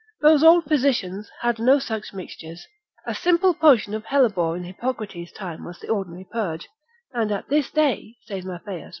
Those old physicians had no such mixtures; a simple potion of hellebore in Hippocrates' time was the ordinary purge; and at this day, saith Mat.